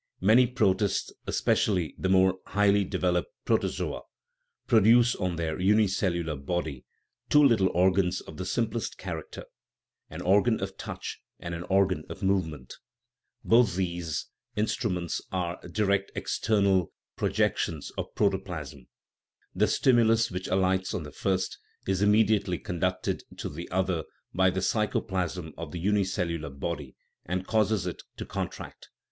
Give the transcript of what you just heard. Many protists, especially the more highly de veloped protozoa, produce on their unicellular body two little organs of the simplest character an organ of touch and an organ of movement. Both these in THE RIDDLE OF THE UNIVERSE struments are direct external projections of protoplasm ; the stimulus, which alights on the first, is immediately conducted to the other by the psychoplasm of the uni cellular body, and causes it to contract.